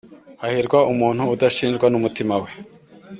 Hahirwa umuntu udashinjwa n’umutima we,